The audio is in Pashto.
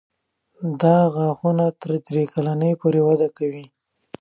دا غاښونه تر درې کلنۍ پورې وده کوي.